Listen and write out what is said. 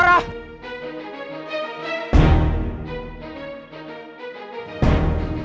farah dimana kamu